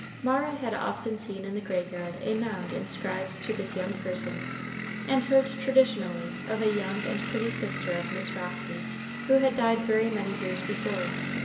Mara had often seen in the graveyard a mound inscribed to this young person, and heard traditionally of a young and pretty sister of Miss Roxy who had died very many years before.